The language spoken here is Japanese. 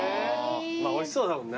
まあおいしそうだもんな。